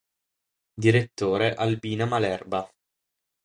Direttore: Albina Malerba.